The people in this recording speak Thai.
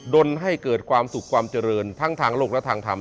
นให้เกิดความสุขความเจริญทั้งทางโลกและทางธรรม